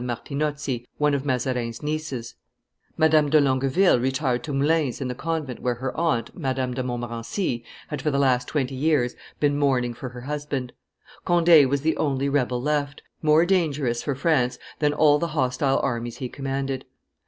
Martinozzi, one of Mazarin's nieces; Madame de Longueville retired to Moulin's into the convent where her aunt, Madame de Montmorency, had for the last twenty years been mourning for her husband; Conde was the only rebel left, more dangerous, for France, than all the hostile armies he commanded.